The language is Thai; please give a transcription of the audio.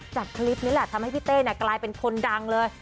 จากคลิปนี้แหละทำให้พี่เต้กลายเป็นคนดังเลย